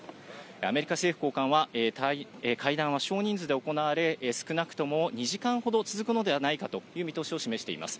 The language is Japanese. アメリカ政府高官は、会談は少人数で行われ、少なくとも２時間ほど続くのではないかという見通しを示しています。